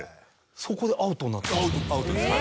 そこでアウトになったんですか？